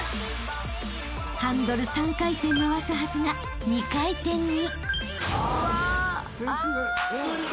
［ハンドル３回転回すはずが２回転に］